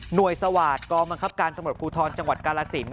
หน่วยสวาสตร์ก็มังคับการกำลักษณะพุทธฟรรณ์จังหวัดกาลศินย์